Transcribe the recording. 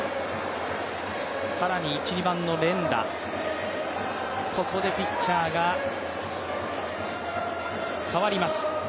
更に１・２番の連打、ここでピッチャーが代わります。